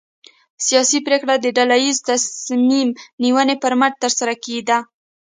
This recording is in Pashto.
سیاسي پرېکړې د ډله ییزې تصمیم نیونې پر مټ ترسره کېدې.